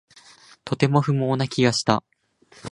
とても不毛な気がした